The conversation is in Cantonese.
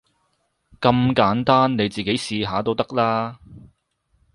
咁簡單，你自己試下都得啦